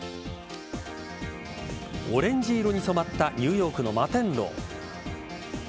オレンジ色に染まったニューヨークの摩天楼。